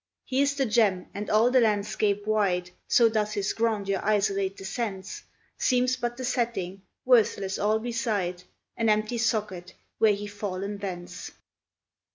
He is the gem; and all the landscape wide (So doth his grandeur isolate the sense) Seems but the setting, worthless all beside, An empty socket, were he fallen thence.